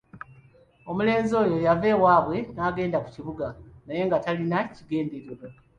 Omulenzi oyo yava ewaabwe n'agenda mu kibuga naye nga talina kigendererwa.